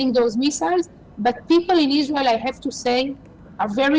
วงหลักศึกภายในพวกอิสเตอร์